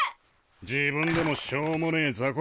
自分でもしょうもねえ雑魚